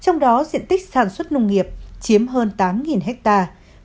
trong đó diện tích sản xuất nông nghiệp chiếm hơn tám hectare